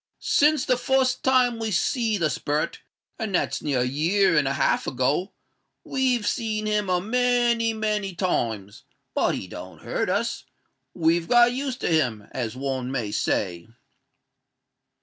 "Since the fust time we see the sperret—and that's near a year and a half ago—we've seen him a many, many times; but he don't hurt us—we've got used to him, as one may say."